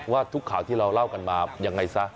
ว่าทุกข่าวที่เราเล่ากันมายังไงซะ